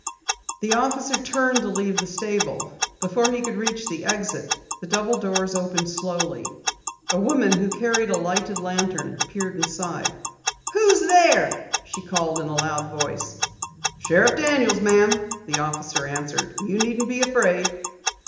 The officer turned to leave the stable. Before he could reach the exit, the double doors slowly opened. A woman, who carried a lighted lantern, peered inside. "Who's there?" she called in a loud voice. "Sheriff Daniels, ma'am," the officer answered. "You needn't be afraid."